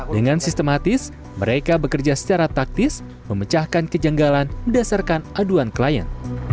dengan sistematis mereka bekerja secara taktis memecahkan kejanggalan berdasarkan aduan klien